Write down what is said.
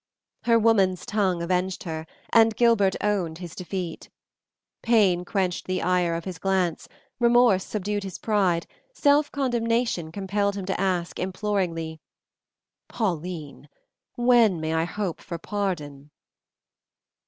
Her woman's tongue avenged her, and Gilbert owned his defeat. Pain quenched the ire of his glance, remorse subdued his pride, self condemnation compelled him to ask, imploringly, "Pauline, when may I hope for pardon?"